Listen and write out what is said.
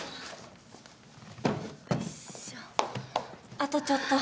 あとちょっと。